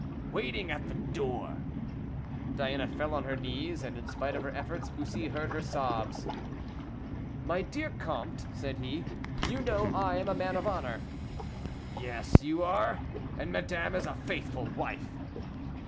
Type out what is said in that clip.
"Waiting at the door." Diana fell on her knees, and in spite of her efforts Bussy heard her sobs. "My dear comte," said he, "you know I am a man of honor." "Yes, you are, and madame is a faithful wife."